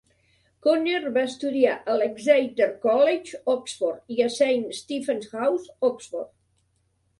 Conner va estudiar a l'Exeter College, Oxford i a Saint Stephen's House, Oxford.